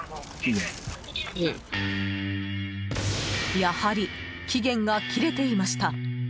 やはり期限が切れていました。